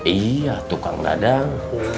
iya tukang dadang